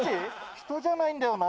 人じゃないんだよな。